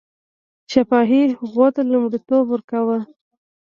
شفاهي هغو ته لومړیتوب ورکاوه.